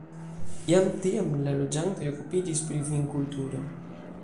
Jam tiam la loĝantoj okupiĝis pri vinkulturo.